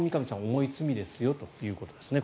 重い罪ですよということですね。